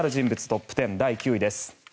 トップ１０第９位です。